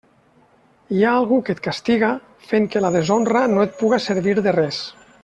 Hi ha algú que et castiga, fent que la deshonra no et puga servir de res.